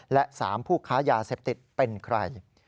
และ๓ผู้ค้ายาเสพติดเป็นใคร